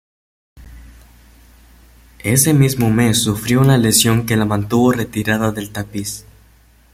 Ese mismo mes sufrió una lesión que la mantuvo retirada del tapiz.